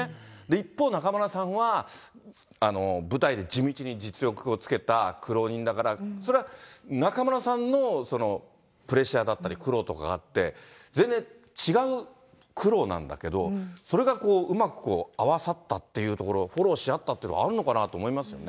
一方、中村さんは、舞台で地道に実力をつけた苦労人だから、それは中村さんのプレッシャーだったり苦労とかがあって、全然違う苦労なんだけど、それがこう、うまく合わさったっていうところ、フォローし合ったっていうの、あるのかなと思いますよね。